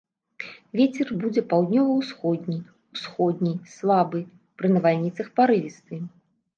Вецер будзе паўднёва-ўсходні, усходні, слабы, пры навальніцах парывісты.